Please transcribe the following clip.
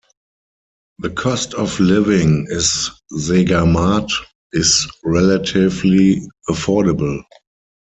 The cost of living in Segamat is relatively affordable.